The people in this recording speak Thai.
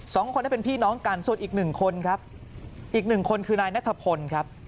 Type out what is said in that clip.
สองคนนั้นเป็นพี่น้องกันส่วนอีกหนึ่งคนครับอีกหนึ่งคนคือนายนัทพลครับ